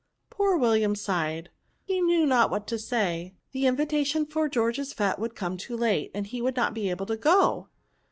Poor William sighed ; he knew not what to say ; the invitation to George's fSte would come too late, and he would not be able to go